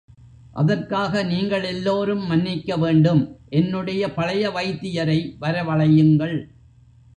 அதற்காக நீங்கள் எல்லோரும் மன்னிக்க வேண்டும் என்னுடைய பழைய வைத்தியரை வரவழையுங்கள்.